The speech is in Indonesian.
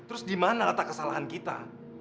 terus di mana letak kesalahan kita